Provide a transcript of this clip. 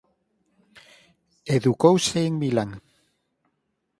Educouse en Milán.